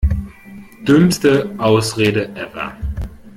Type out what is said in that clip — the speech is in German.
Dümmste Ausrede ever!